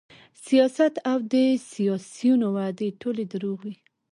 سیاست او د سیاسیونو وعدې ټولې دروغ وې